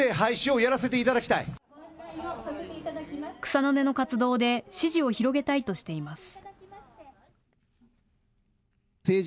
草の根の活動で支持を広げたいとしています。